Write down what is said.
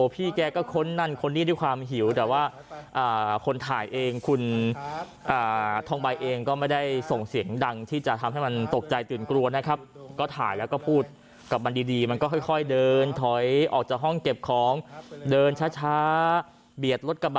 ปีนี้ก็ถ่ายคลิปแล้วเหมือนคุยกันรู้เรื่องด้วยนะ